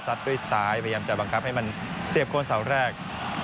ด้วยซ้ายพยายามจะบังคับให้มันเสียบคนเสาแรก